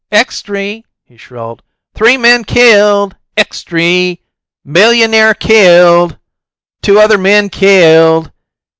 Extry!" he shrilled. "Three men killed! Extry! Millionaire killed! Two other men killed!